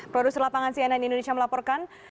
produser lapangan cnn indonesia melaporkan